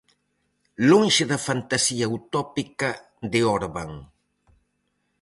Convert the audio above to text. Lonxe da "fantasía utópica" de Orbán.